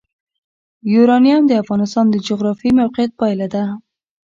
یورانیم د افغانستان د جغرافیایي موقیعت پایله ده.